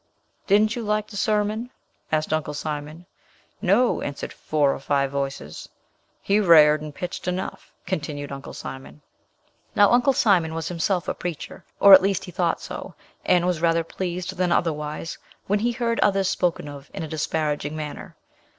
"Didn't you like de sermon?" asked Uncle Simon. "No," answered four or five voices. "He rared and pitched enough," continued Uncle Simon. Now Uncle Simon was himself a preacher, or at least he thought so, and was rather pleased than otherwise, when he heard others spoken of in a disparaging manner.